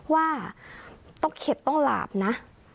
ว่าต้องเข็ดต้องหลาบนะ